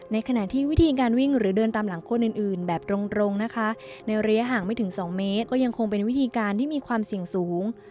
ขณะที่วิธีการวิ่งหรือเดินตามหลังคนอื่นแบบตรงนะคะในระยะห่างไม่ถึง๒เมตรก็ยังคงเป็นวิธีการที่มีความเสี่ยงสูง